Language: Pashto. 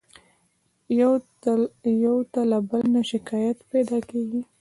يو ته له بل نه شکايت پيدا کېږي.